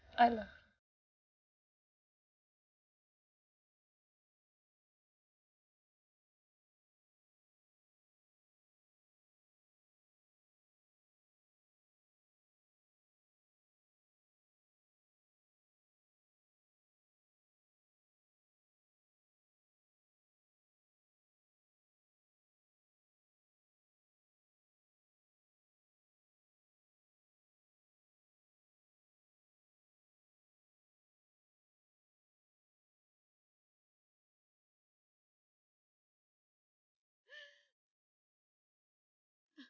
jalan pak jalan